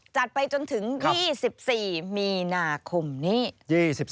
จัดไปจนถึง๒๔มีนาคมนี้